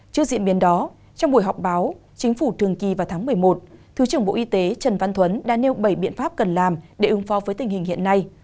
trước diễn biến đó trong buổi họp báo chính phủ thường kỳ vào tháng một mươi một thứ trưởng bộ y tế trần văn thuấn đã nêu bảy biện pháp cần làm để ứng phó với tình hình hiện nay